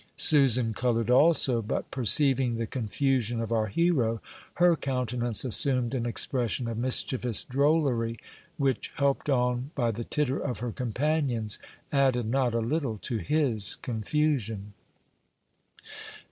Susan colored also; but, perceiving the confusion of our hero, her countenance assumed an expression of mischievous drollery, which, helped on by the titter of her companions, added not a little to his confusion.